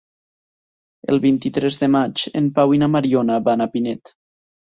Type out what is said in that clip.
El vint-i-tres de maig en Pau i na Mariona van a Pinet.